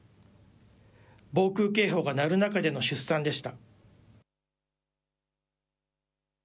防空警報が鳴る中での出産でした。